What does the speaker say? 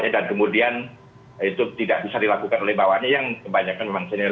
dan kemudian itu tidak bisa dilakukan oleh bawahnya yang kebanyakan memang senior